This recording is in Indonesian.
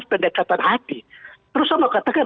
pendekatan hati terus saya mau katakan